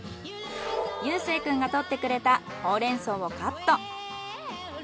結誠くんが採ってくれたほうれん草をカット。